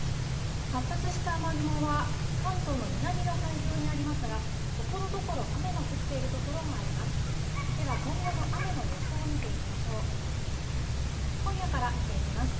発達した雨雲は関東の南の海上にありますが、ところどころ雨の降っている所があります。